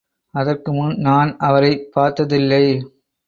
அதற்கு முன் நான் அவரைப் பார்த்ததில்லை.